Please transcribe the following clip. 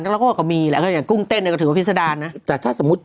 ก็เราก็ก็มีแหละก็อย่างกุ้งเต้นแต่ก็ถือว่าพิษดารน่ะแต่ถ้าสมมุติ